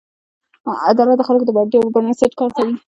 اداره د خلکو د اړتیاوو پر بنسټ کار کوي.